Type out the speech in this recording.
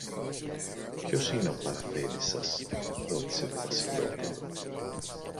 Ποιος είναι ο παραφέντης σας; ρώτησε το Βασιλόπουλο.